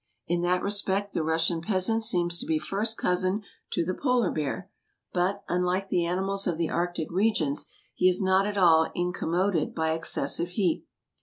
In that respect the Russian peasant seems to be first cousin to the polar bear, but, unlike the animals of the arctic regions, he is not at all incommoded by excessive heat.